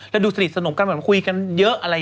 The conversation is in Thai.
และดูสนิทสนมกันเหมือนคุยกันเยอะ